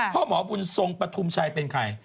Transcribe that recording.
พ่อหมอบุญทรงปฐุมชัยเป็นใคร